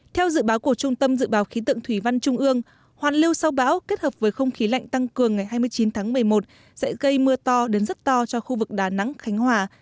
theo dự báo của trung tâm dự báo khí tượng thủy văn trung ương hoàn lưu sau bão kết hợp với không khí lạnh tăng cường ngày hai mươi chín tháng một mươi một sẽ gây mưa to đến rất to cho khu vực đà nẵng khánh hòa